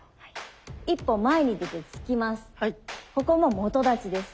一歩前に出て突きます。